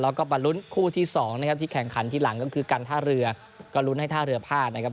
แล้วก็มาลุ้นคู่ที่สองนะครับที่แข่งขันทีหลังก็คือการท่าเรือก็ลุ้นให้ท่าเรือพลาดนะครับ